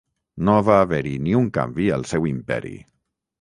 No va haver-hi ni un canvi al seu imperi.